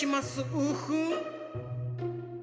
ウフン。